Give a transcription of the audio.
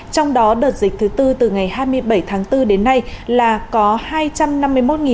trong đó đợt dịch thứ tư từ ngày hai mươi bảy tháng bốn đến nay là có hai trăm năm mươi một bảy trăm năm mươi ba ca